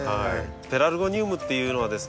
ペラルゴニウムっていうのはですね